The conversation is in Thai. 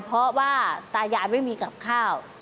เพราะว่าตายายไม่มีกับข้าว